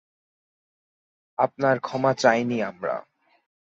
আপনার ক্ষমা চাইনি আমরা।